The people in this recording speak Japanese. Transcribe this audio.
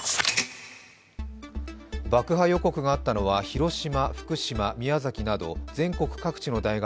爆破予告があったのは、広島、福島、宮崎など全国各地の大学